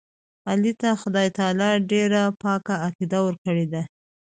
علي ته خدای تعالی ډېره پاکه عقیده ورکړې ده.